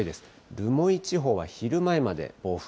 留萌地方は昼前まで暴風。